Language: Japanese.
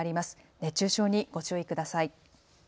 熱中症にご注意ください。